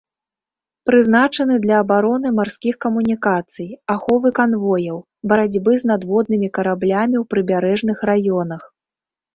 Прызначаны для абароны марскіх камунікацый, аховы канвояў, барацьбы з надводнымі караблямі ў прыбярэжных раёнах.